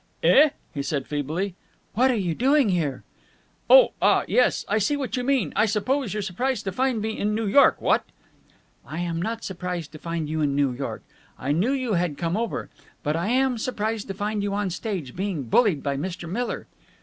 "Eh?" he said feebly. "What are you doing here?" "Oh, ah, yes! I see what you mean! I suppose you're surprised to find me in New York, what?" "I'm not surprised to find you in New York. I knew you had come over. But I am surprised to find you on the stage, being bullied by Mr. Miller."